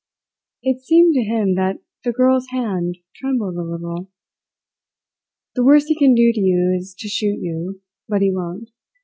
It seemed to him that the girl's hand trembled a little. "The worst he can do to you is to shoot you, but he won't.